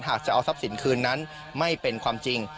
หากจะเอาทรัพย์สินคืนนั้นไม่เป็นความจริง